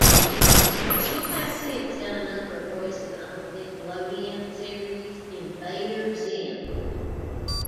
She has since done a number of voices on the Nickelodeon series "Invader Zim".